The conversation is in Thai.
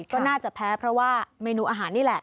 ก็น่าจะแพ้เพราะว่าเมนูอาหารนี่แหละ